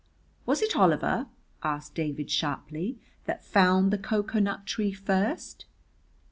"Was it Oliver," asked David sharply, "that found the cocoa nut tree first?"